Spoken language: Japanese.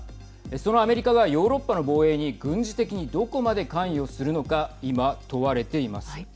そのアメリカがヨーロッパの防衛に軍事的にどこまで関与するのか今、問われています。